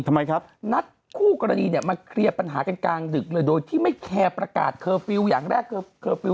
ทำไมครับ